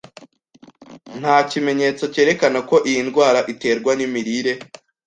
Nta kimenyetso cyerekana ko iyi ndwara iterwa nimirire.